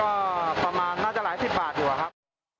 ก็ประมาณน่าจะหลายสิบบาทอยู่อะครับ